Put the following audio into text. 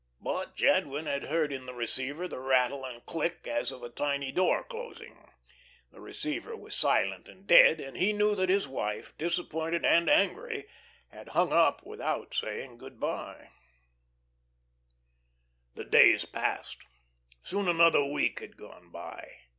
But Jadwin had heard in the receiver the rattle and click as of a tiny door closing. The receiver was silent and dead; and he knew that his wife, disappointed and angry, had "hung up" without saying good by. The days passed. Soon another week had gone by.